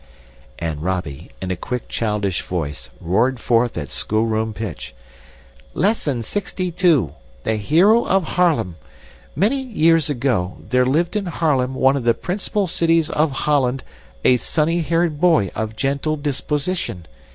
And Robby, in a quick childish voice, roared forth at schoolroom pitch, "Lesson 62. The Hero of Haarlem. Many years ago, there lived in Haarlem, one of the principal cities of Holland, a sunny haired boy of gentle disposition.